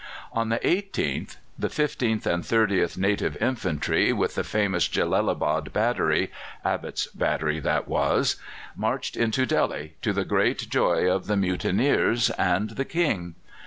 On the 18th, the 15th and 30th Native Infantry, with the famous Jellalabad battery Abbott's battery that was marched into Delhi, to the great joy of the mutineers and the King.